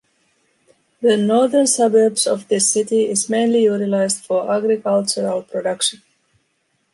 The northern suburbs of this city is mainly utilized for agricultural production.